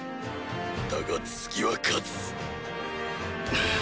だが次は勝つ。